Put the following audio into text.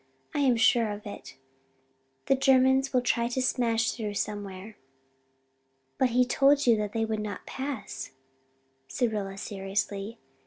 I am sure of it. The Germans will try to smash through somewhere." "But he told you that they would not pass," said Rilla, seriously.